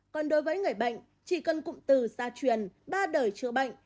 còn đối với người bệnh chỉ cần cụm từ gia truyền ba đời chữa bệnh